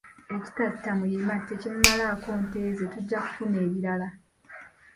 ekitatta muyima, tekimumalaako nte ze, tujja kufuna ebirala